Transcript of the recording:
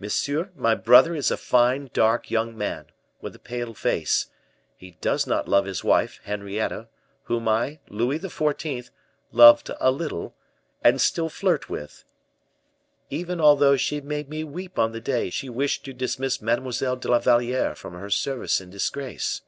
Monsieur, my brother, is a fine, dark young man, with a pale face; he does not love his wife, Henrietta, whom I, Louis XIV., loved a little, and still flirt with, even although she made me weep on the day she wished to dismiss Mademoiselle de la Valliere from her service in disgrace."